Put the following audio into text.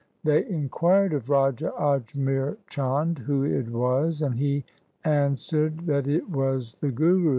They inquired of Raja Ajmer Chand who it was, and he answered that it was the Guru.